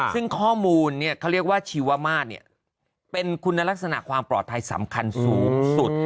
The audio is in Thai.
ซึ่งข้อมูลเขาเรียกว่าชีวมาศเป็นคุณลักษณะความปลอดภัยสำคัญสูงสุด